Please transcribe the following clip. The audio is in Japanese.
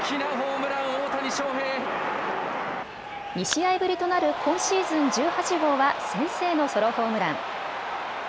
２試合ぶりとなる今シーズン１８号は先制のソロホームラン。